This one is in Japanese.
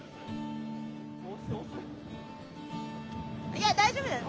いや大丈夫だよ。